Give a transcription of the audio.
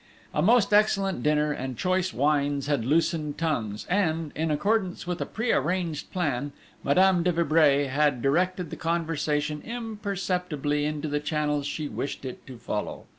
A most excellent dinner and choice wines had loosened tongues, and, in accordance with a prearranged plan, Madame de Vibray had directed the conversation imperceptibly into the channels she wished it to follow.